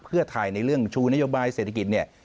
เพื่อทายในเรื่องชูนโยบายเศรษฐกิจ